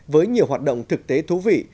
với nhiều hoạt động thực tế thú vị